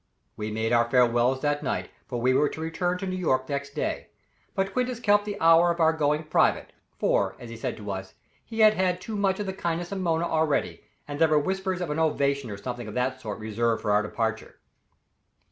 We made our farewells that night, for we were to return to New York next day; but Quintus kept the hour of our going private, for, as he said to us, he had had too much of the kindness of Mona already, and there were whispers of an ovation or something of that sort reserved for our departure.